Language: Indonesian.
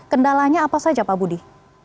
kendalanya apa saja pak budi